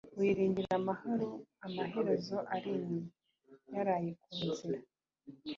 wiringira amahoro amaherere ari inyuma (yaraye ku nzira)